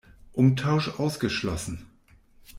Umtausch ausgeschlossen!